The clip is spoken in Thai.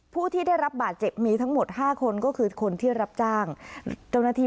ผู้ที่ได้รับบาดเจ็บมีทั้งหมดห้าคนก็คือคนที่รับจ้างเจ้าหน้าที่